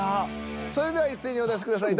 それでは一斉にお出しください